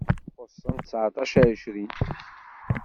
Xuṣṣen ttseɛṭac i ɛecrin.